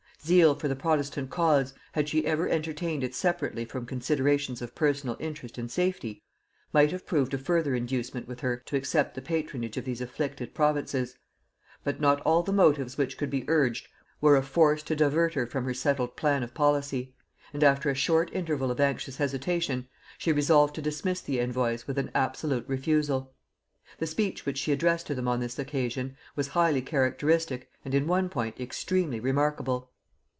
Zeal for the protestant cause, had she ever entertained it separately from considerations of personal interest and safety, might have proved a further inducement with her to accept the patronage of these afflicted provinces: but not all the motives which could be urged were of force to divert her from her settled plan of policy; and after a short interval of anxious hesitation, she resolved to dismiss the envoys with an absolute refusal. The speech which she addressed to them on this occasion was highly characteristic, and in one point extremely remarkable.